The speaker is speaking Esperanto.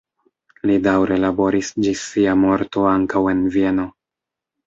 Li daŭre laboris ĝis sia morto ankaŭ en Vieno.